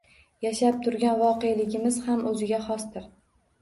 Yashab turgan voqeligimiz ham o‘ziga xosdir.